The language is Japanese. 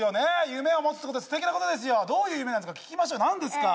夢を持つってことはすてきなことですよどういう夢なのか聞きましょう何ですか？